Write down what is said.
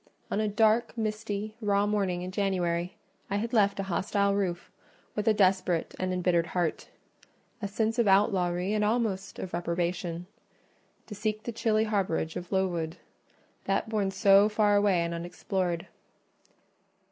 On a dark, misty, raw morning in January, I had left a hostile roof with a desperate and embittered heart—a sense of outlawry and almost of reprobation—to seek the chilly harbourage of Lowood: that bourne so far away and unexplored.